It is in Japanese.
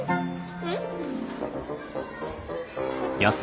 うん？